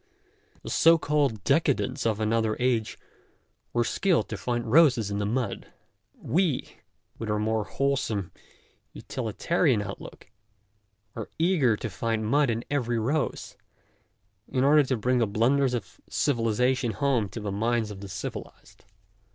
The so called decadents of another age were skilled to find roses in the mud ; we, with our more wholesome, utilitarian outlook, are eager to find mud in every rose, in order to bring the blunders of civilization home to the minds of the civilized.